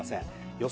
予想